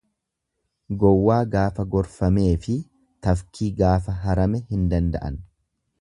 Gowwaa gaafa gorfameefi tafkii gaafa harame hin danda'an.